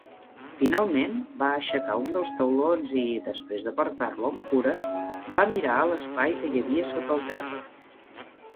Finalment, va aixecar un dels taulons i, desprès d'apartar-lo amb cura, va mirar a l'espai que hi havia sota el terra.